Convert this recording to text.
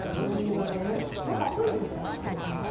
中、プリンみたいになってるんですね。